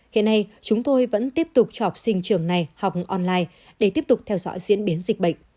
hiện nay chúng tôi vẫn tiếp tục cho học sinh trường này học online để tiếp tục theo dõi diễn biến dịch bệnh